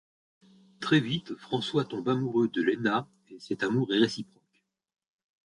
Très vite, François tombe amoureux de Léna et cet amour est réciproque.